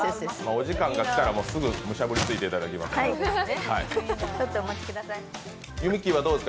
お時間が来たら、すぐにしゃぶりついていただきますんで。